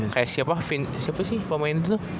kayak siapa si pemain itu tuh